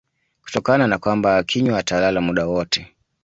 kutokana na kwamba akinywa atalala muda wote